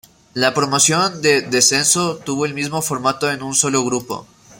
La promoción de descenso tuvo el mismo formato en un solo grupo.